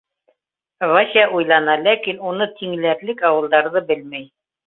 — Вася уйлана, ләкин уны тиңләрлек ауылдарҙы белмәй.